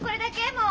もう。